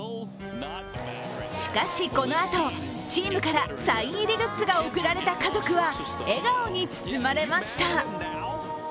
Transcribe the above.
しかし、このあとチームからサイン入りグッズが贈られた家族は笑顔に包まれました。